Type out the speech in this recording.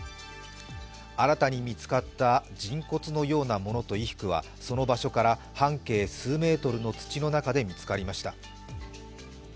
新たに見つかった人骨のようなものと衣服はその場所から半径数メートルの土の中で見つかりました。